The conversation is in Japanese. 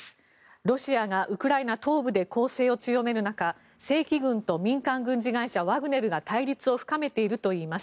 ロシアがウクライナ東部で攻勢を強める中正規軍と民間軍事会社ワグネルが対立を深めているといいます。